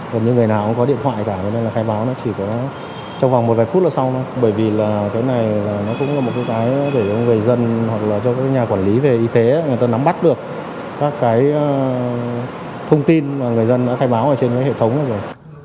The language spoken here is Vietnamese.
gần như người nào có điện thoại chứ khai báo đó chỉ có trong vòng một vài phút sau thôi bởi vì nó cũng là một cơ tái để cho người dân hoặc cho các nhà quản lý về y tế người ta nắm bắt được các cái thông tin mà người dân đã khai báo ở trên hệ thống rồi